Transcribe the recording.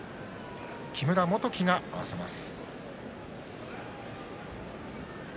木村元基が合わせます。